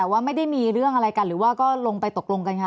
แต่ว่าไม่ได้มีเรื่องอะไรกันหรือว่าก็ลงไปตกลงกันคะ